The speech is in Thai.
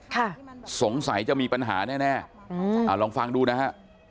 ค่ะสงสัยจะมีปัญหาแน่แน่อืมอ่าลองฟังดูนะฮะ